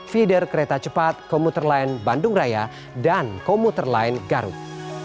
feeder kereta cepat komuter line bandung raya dan komuter lain garut